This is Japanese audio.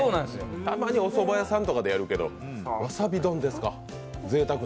たまにおそば屋さんとかでやるけどワサビ丼ですか。